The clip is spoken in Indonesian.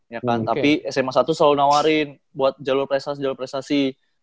ya kan tapi sma satu selalu nawarin buat jalur prestasi jalur prestasi